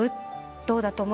どうだと思う？